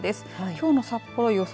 きょうの札幌予想